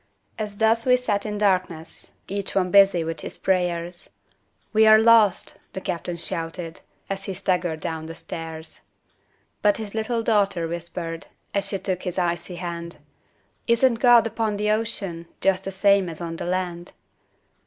As thus we sat in darkness Each one busy with his prayers, "We are lost!" the captain shouted, As he staggered down the stairs. But his little daughter whispered, As she took his icy hand, "Isn't God upon the ocean, Just the same as on the land?"